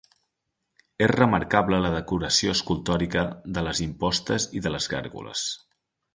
És remarcable la decoració escultòrica de les impostes i de les gàrgoles.